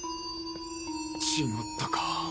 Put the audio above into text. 違ったか。